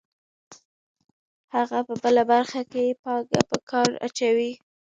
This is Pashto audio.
هغه په بله برخه کې پانګه په کار اچوي